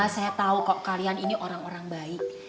saya tahu kok kalian ini orang orang baik